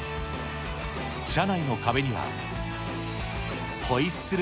社内の壁には、ホイッスル！